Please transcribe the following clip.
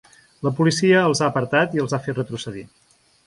La policia els ha apartat i els ha fet retrocedir.